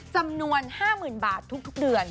จำนวน๕๐๐๐บาททุกเดือน